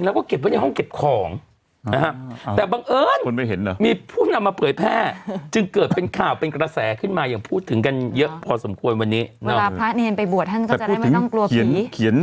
เวลาพระเนรนดิ์ไปบวชภัณฑ์เขาจะได้ไม่ต้องกลัวผีแต่ก็ถึงเขียน